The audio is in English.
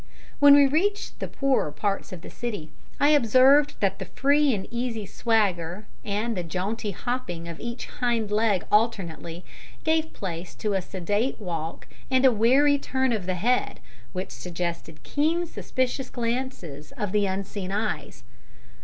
When we reached the poorer parts of the city, I observed that the free and easy swagger, and the jaunty hopping of each hind leg alternately, gave place to a sedate walk and a wary turn of the head, which suggested keen suspicious glances of the unseen eyes.